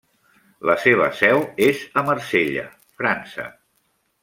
La seva seu és a Marsella, França.